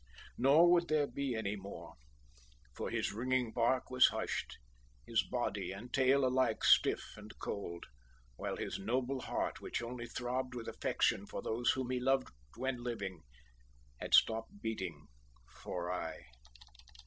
Nor would there be any more, for his ringing bark was hushed, his body and tail alike stiff and cold, while his noble heart which only throbbed with affection for those whom he loved when living, had stopped beating for aye.